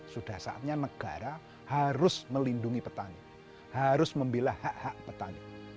sudah saatnya negara harus melindungi petani harus membelah hak hak petani